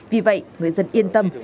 vì vậy người dân yên tâm